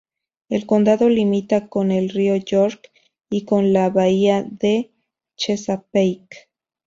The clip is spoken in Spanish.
El condado limita con el río York y con la bahía de Chesapeake.